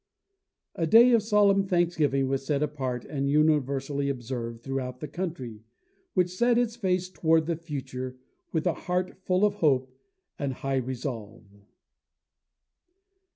A day of solemn thanksgiving was set apart and universally observed throughout the country, which set its face toward the future, with a heart full of hope and high resolve.